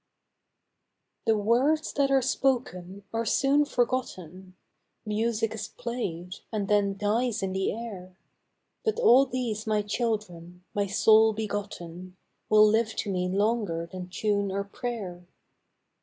THE words that are spoken are soon forgotten, Music is played, and then dies in the air ; But all these my children — my soul begotten, Will live to me longer than tune or pray'r.